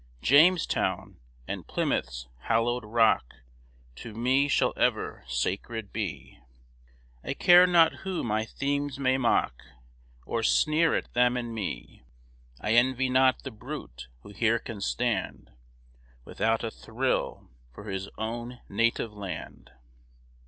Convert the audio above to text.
Jamestown, and Plymouth's hallowed rock To me shall ever sacred be, I care not who my themes may mock, Or sneer at them and me. I envy not the brute who here can stand Without a thrill for his own native land.